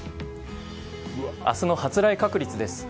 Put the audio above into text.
明日の発雷確率です。